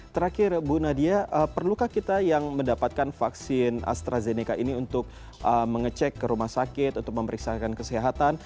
terakhir bu nadia perlukah kita yang mendapatkan vaksin astrazeneca ini untuk mengecek ke rumah sakit untuk memeriksakan kesehatan